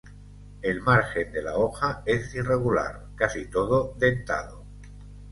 El margen de la hoja es irregular, casi todo dentado.